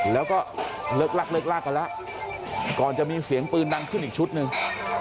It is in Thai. แล้วก็เลิกลากเลิกลากกันแล้วก่อนจะมีเสียงปืนดังขึ้นอีกชุดหนึ่ง